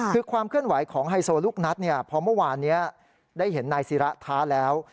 คือความเคลื่อนไหวของไฮโซลูกนัดเนี่ยพอเมื่อวานนี้ได้เห็นนายศิระท้าแล้ว